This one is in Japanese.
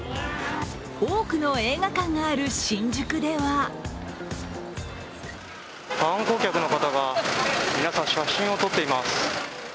多くの映画館がある新宿では観光客の方が皆さん、写真を撮っています。